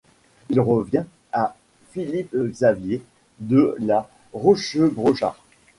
Il revient à Philippe Xavier de la Rochebrochard.